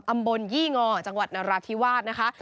ยี่งอจังหวัดนราธิวาสนะคะ